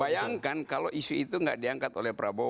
bayangkan kalau isu itu nggak diangkat oleh prabowo